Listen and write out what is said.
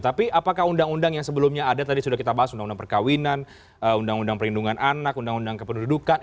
tapi apakah undang undang yang sebelumnya ada tadi sudah kita bahas undang undang perkawinan undang undang perlindungan anak undang undang kependudukan